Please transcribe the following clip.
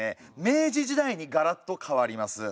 明治時代にがらっと変わります。